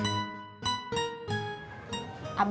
ciee yang ngambek